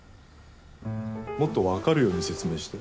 もっとわかるように説明して。